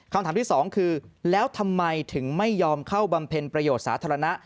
คำถามที่สองคือแล้วทำไมถึงไม่ยอมเข้าบำเพ็ญประโยชน์สาธารณะ